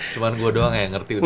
cuman gua doang yang ngerti